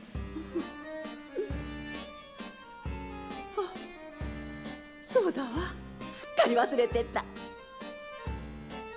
あっそうだわすっかり忘れてた。